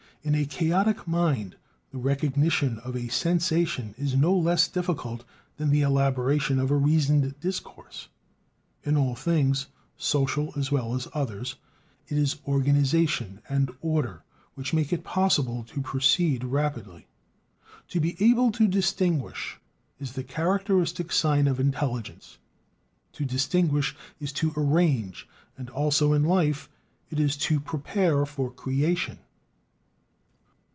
In a chaotic mind, the recognition of a sensation is no less difficult than the elaboration of a reasoned discourse. In all things, social as well as others, it is organization and order which make it possible to proceed rapidly. "To be able to distinguish" is the characteristic sign of intelligence: to distinguish is to arrange and also, in life, it is to prepare for "creation."